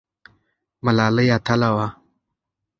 ملالۍ اتله وه؟